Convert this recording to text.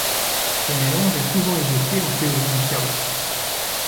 Ce mélange est souvent évoqué en théorie du chaos.